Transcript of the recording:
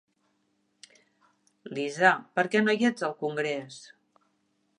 Lisa, per què no hi ets, al congrés?